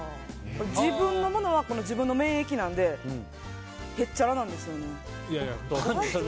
自分のものは自分の免疫なのでへっちゃらなんですよね。